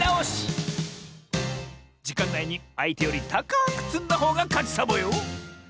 じかんないにあいてよりたかくつんだほうがかちサボよ！